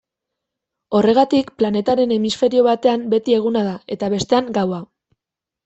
Horregatik planetaren hemisferio batean beti eguna da eta bestean gaua.